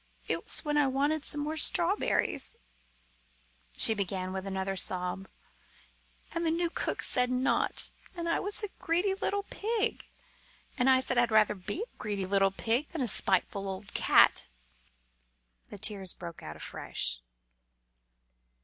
"It was when I wanted some more of the strawberries," she began, with another sob, "and the new cook said not, and I was a greedy little pig: and I said I'd rather be a greedy little pig than a spiteful old cat!" The tears broke out afresh.